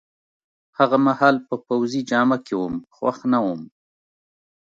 هغه مهال په پوځي جامه کي وم، خوښ نه وم.